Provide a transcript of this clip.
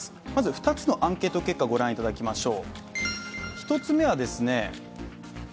２つのアンケート結果、御覧いただきましょう。